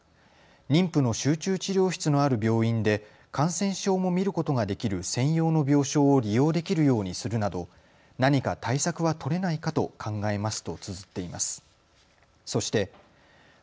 妊婦の集中治療室のある病院で感染症も診ることができる専用の病床を利用できるようにするなど何か対策は取れないかと考えますとつづっています。